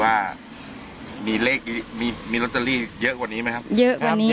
การแก้เคล็ดบางอย่างแค่นั้นเอง